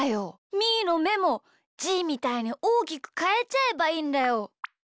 みーのめもじーみたいにおおきくかえちゃえばいいんだよ。